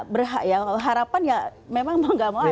memang mau gak mau aja kesana